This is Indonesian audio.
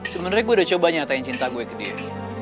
sebenernya gue udah nyatain cinta gue ke dia